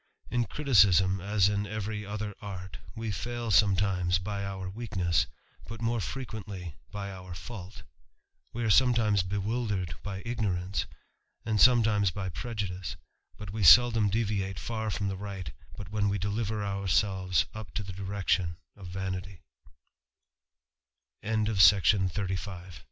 In criticism, as in every other art, we fail sometimes by our weakness, but more frequently by our &ult We i are sometimes bewildered by ignorance, and sometimes by prejudice; but we seldom deviate far from the right, but when we deliver ourselves up to the direction of v